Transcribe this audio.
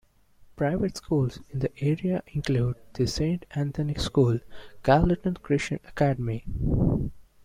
Private schools in the area include The Saint Anthony School, Carrollton Christian Academy.